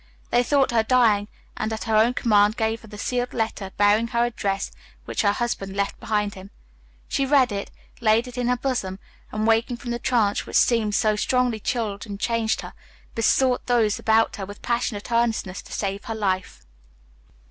They thought her dying, and at her own command gave her the sealed letter bearing her address which her husband left behind him. She read it, laid it in her bosom, and, waking from the trance which seemed to have so strongly chilled and changed her, besought those about her with passionate earnestness to save her life.